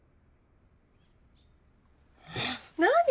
何？